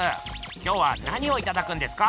今日は何をいただくんですか？